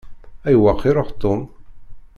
Ayweq i iṛuḥ Tom?